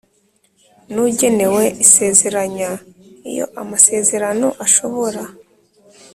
n ugenewe isezeranya Iyo amasezerano ashobora